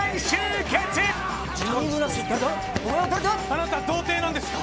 あなた童貞なんですか？